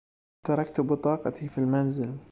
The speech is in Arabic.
تركت بطاقتي في المنزل.